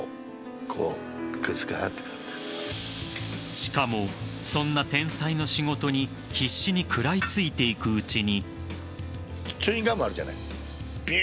しかも、そんな天才の仕事に必死に食らいついていくうちに。